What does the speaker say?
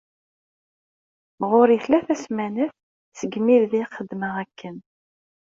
Ɣur- i tlata ssmanat segmi bdiɣ xeddmeɣ akken.